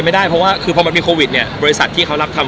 ไม่ได้เพราะว่าคือพอมันมีโควิดเนี่ยบริษัทที่เขารับทำ